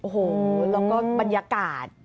โอ้โหแล้วก็บรรยากาศ